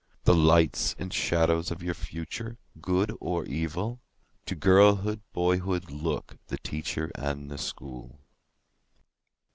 The lights and shadows of your future—good or evil? To girlhood, boyhood look—the Teacher and the School.